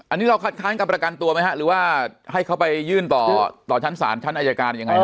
อันนี้เราคัดค้านการประกันตัวไหมฮะหรือว่าให้เขาไปยื่นต่อชั้นศาลชั้นอายการยังไง